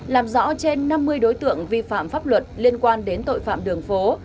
làm rõ trên năm mươi đối tượng vi phạm pháp luật liên quan đến tội phạm đường phố